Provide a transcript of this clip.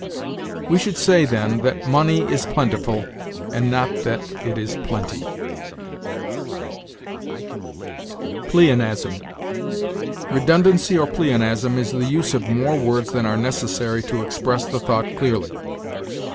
'" We should say, then, that money is plentiful, and not that it is plenty. PLEONASM. Redundancy or pleonasm is the use of more words than are necessary to express the thought clearly.